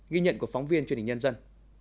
ghi nhận của phóng viên truyền hình nhân dân